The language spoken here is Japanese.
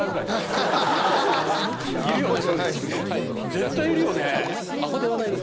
絶対いるよね。